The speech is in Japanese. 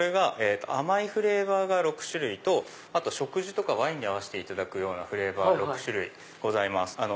甘いフレーバーが６種類と食事とかワインに合わせていただくフレーバー６種類ございます。